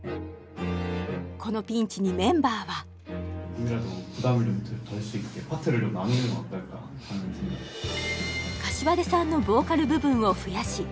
このピンチにメンバーは膳さんのボーカル部分を増やし